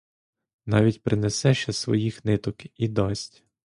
Навіть принесе ще своїх ниток і дасть.